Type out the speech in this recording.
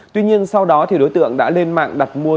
tuy nhiên sau đó đối tượng đã lên mạng đặt mua